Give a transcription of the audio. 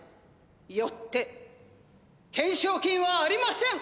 よって懸賞金はありません！」。